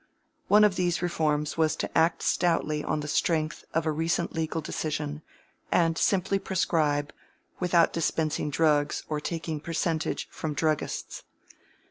One of these reforms was to act stoutly on the strength of a recent legal decision, and simply prescribe, without dispensing drugs or taking percentage from druggists.